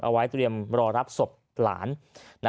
เอาไว้เตรียมรอรับศพหลาน